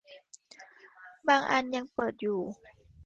บางอันยังเปิดอยู่